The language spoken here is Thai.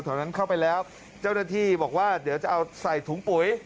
นั้นเข้าไปแล้วเจ้าหน้าที่บอกว่าเดี๋ยวจะเอาใส่ถุงปุ๋ย